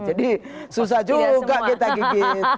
jadi susah juga kita gigi